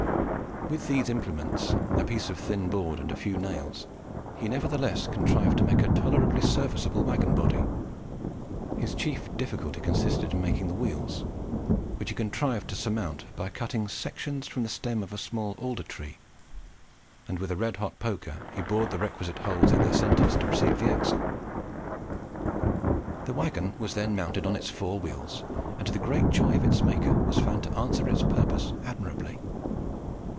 With these implements, a piece of thin board, and a few nails, he nevertheless contrived to make a tolerably serviceable waggon body. His chief difficulty consisted in making the wheels, which he contrived to surmount by cutting sections from the stem of a small alder tree, and with a red hot poker he bored the requisite holes in their centres to receive the axle. The waggon was then mounted on its four wheels, and to the great joy of its maker was found to answer its purpose admirably.